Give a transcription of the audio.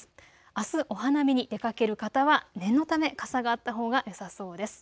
あすお花見に出かける方は念のため傘があったほうがよさそうです。